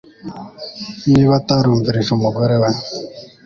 Niba atarumvirije umugore we